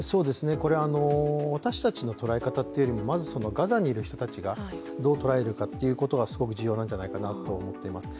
これは私たちの捉え方というよりもまずガザにいる人たちがどう捉えるかということがすごく重要なんじゃないかなと思っています。